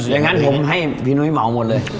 อย่างนั้นผมให้พี่นุ้ยเหมาหมดเลย